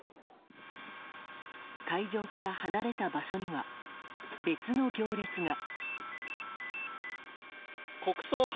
会場から離れた場所には別の行列が。